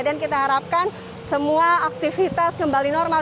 dan kita harapkan semua aktivitas kembali normal